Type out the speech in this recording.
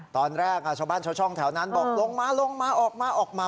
ตอนแรกชาวบ้านชาวช่องแถวนั้นบอกลงมาลงมาออกมาออกมาออกมา